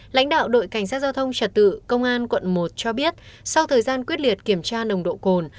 lãnh đạo đội cảnh sát giao thông trật tự công an quận một cho biết sau thời gian quyết liệt kiểm tra nồng độ cồn